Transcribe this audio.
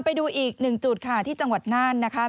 ไปดูอีกหนึ่งจุดค่ะที่จังหวัดน่านนะคะ